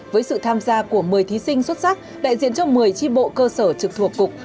với sự tham gia của một mươi thí sinh xuất sắc đại diện cho một mươi tri bộ cơ sở trực thuộc cục